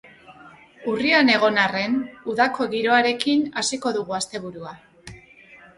Urrian egon arren, udako giroarekin hasiko dugu asteburua.